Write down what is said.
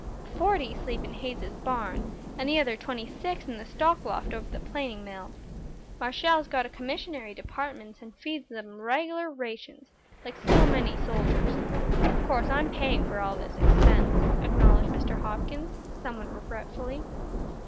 "Forty sleep in Hayes's barn, and the other twenty six in the stock loft over the planing mill. Marshall's got a commissary department and feeds 'em regular rations, like so many soldiers. Of course I'm paying for all this expense," acknowledged Mr. Hopkins, somewhat regretfully.